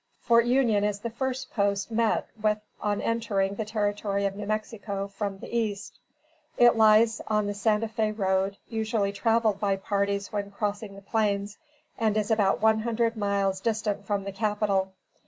Fort Union is the first post met with on entering the Territory of New Mexico from the east. It lies on the Santa Fé road usually traveled by parties when crossing the plains, and is about one hundred miles distant from the capital.